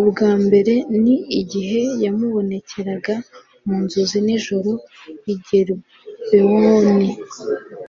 ubwa mbere ni igihe yamubonekeraga mu nzozi nijoro i gibewoni